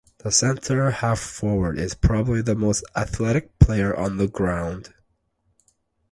The centre half-forward is probably the most athletic player on the ground.